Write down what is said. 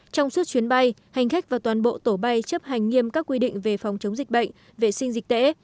trong suốt chuyến bay hành khách và toàn bộ tổ bay chấp hành nghiêm các quy định về phòng chống dịch bệnh vệ sinh dịch tễ